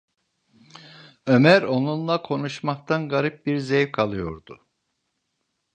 Ömer onunla konuşmaktan garip bir zevk alıyordu.